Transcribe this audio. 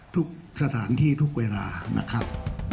ทุกสถานที่ทุกเวลานะครับ